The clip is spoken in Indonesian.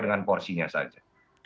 dengan porsinya saja